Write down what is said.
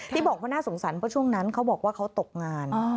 ที่บอกว่าน่าสงสารเพราะช่วงนั้นเขาบอกว่าเขาตกงาน